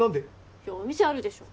いやお店あるでしょ。